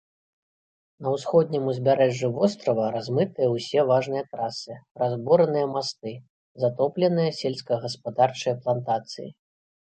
На ўсходнім узбярэжжы вострава размытыя ўсе важныя трасы, разбураныя масты, затопленыя сельскагаспадарчыя плантацыі.